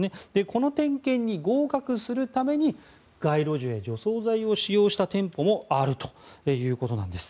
この点検に合格するために街路樹へ除草剤を使用した店舗もあるということです。